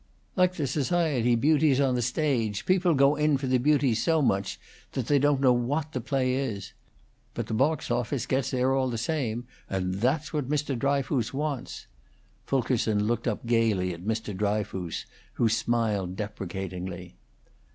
"Like the society beauties on the stage: people go in for the beauty so much that they don't know what the play is. But the box office gets there all the same, and that's what Mr. Dryfoos wants." Fulkerson looked up gayly at Mr. Dryfoos, who smiled deprecatingly.